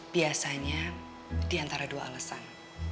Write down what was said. biasanya diantara dua alasan